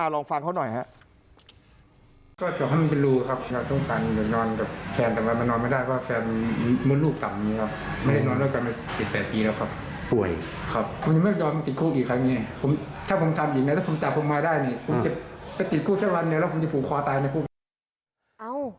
ลองฟังเขาน่ะ